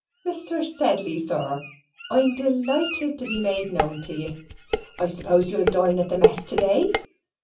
Mr. Sedley, sir, I'm deloighted to be made known te ye. I suppose you'll dine at the mess to day.